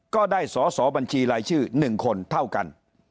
ก็ได้สอสอบัญชีรายชื่อ๑คนเท่ากัน